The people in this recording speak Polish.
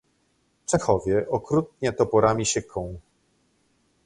"Czechowie okrutnie toporami sieką."